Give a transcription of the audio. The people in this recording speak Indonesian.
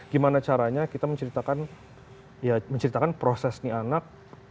gimana caranya kita menceritakan prosesnya anak